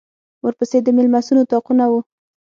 ورپسې د مېلمستون اطاقونه و.